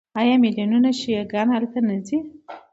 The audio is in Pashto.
آیا میلیونونه شیعه ګان هلته نه ځي؟